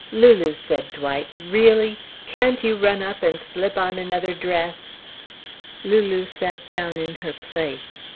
"Lulu," said Dwight, "really? Can't you run up and slip on another dress?" Lulu sat down in her place.